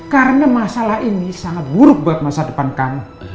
karena masalah ini sangat buruk buat masa depan kamu